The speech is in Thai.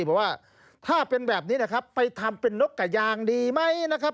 บอกว่าถ้าเป็นแบบนี้นะครับไปทำเป็นนกกระยางดีไหมนะครับ